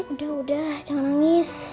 udah udah jangan nangis